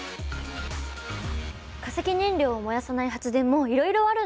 化石燃料を燃やさない発電もいろいろあるんですね。